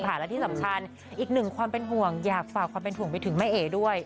และที่สำคัญอีกหนึ่งความเป็นห่วงอยากฝากความเป็นห่วงไปถึงแม่เอ๋ด้วย